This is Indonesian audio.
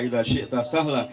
ida syi'ita sahla